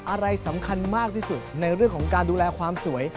อะไรสำคัญมากที่สุดในเรื่องของการดูแลความสวย